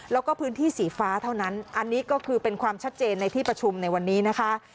แล้วก็พื้นที่สีฟ้าเท่านั้นอันนี้ก็คือเป็นความชัดเจนในที่ประชุมในวันนี้นะคะ